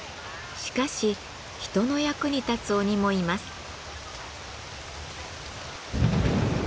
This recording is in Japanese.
しかし人の役に立つ鬼もいます。